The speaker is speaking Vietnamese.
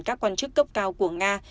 các quan chức cấp cao của nga